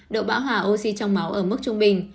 độ bão hòa oxy trong máu ở mức trung bình